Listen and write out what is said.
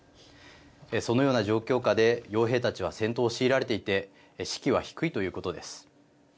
そのような状況下でよう兵たちは戦闘を強いられていて士気は低いということです。